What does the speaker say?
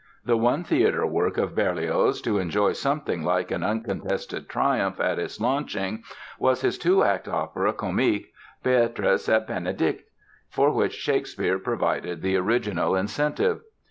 The one theatre work of Berlioz to enjoy something like an uncontested triumph at its launching was his two act opera comique, "Béatrice et Bénédict", for which Shakespeare provided the original incentive.